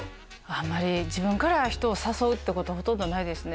あんまり自分から人を誘うってことほとんどないですね